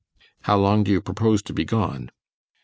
"How long do you propose to be gone?"